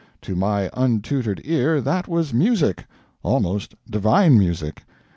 To my untutored ear that was music almost divine music.